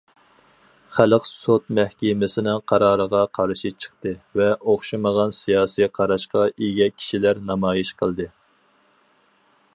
خەلق سوت مەھكىمىسىنىڭ قارارىغا قارشى چىقتى ۋە ئوخشىمىغان سىياسىي قاراشقا ئىگە كىشىلەر نامايىش قىلدى.